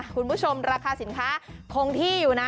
คุณผู้ชมราคาสินค้าคงที่อยู่นะ